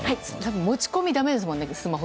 持ち込みだめですよね。